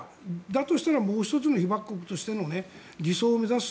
だとしたら、もう１つの被爆国としての理想を目指す。